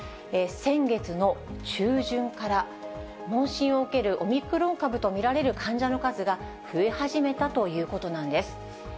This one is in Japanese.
先月の中旬から、問診を受けるオミクロン株と見られる患者の数が増え始めたということなんです。